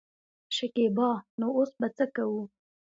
شکيبا : نو اوس به څه کوو.